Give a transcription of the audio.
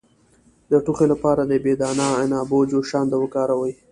د ټوخي لپاره د بې دانه عنابو جوشانده وکاروئ